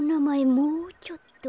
もうちょっと。